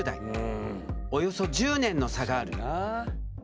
およそ１０年の差がある。